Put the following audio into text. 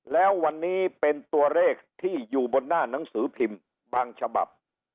แล้ววันนี้เป็นตัวเลขที่อยู่บนหน้าหนังสือพิมพ์บางฉบับ